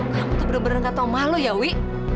aku tuh bener bener gak tau malu ya wi